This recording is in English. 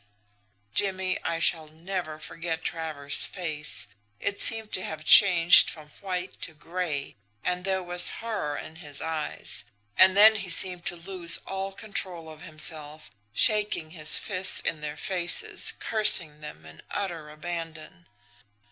"Jimmie, I shall never forget Travers' face. It seemed to have changed from white to gray, and there was horror in his eyes: and then he seemed to lose all control of himself, shaking his fists in their faces, cursing them in utter abandon.